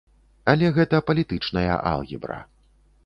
Але гэта палітычная алгебра.